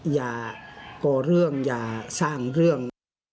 อย่าก่อเรื่องอย่าสร้างเรื่อง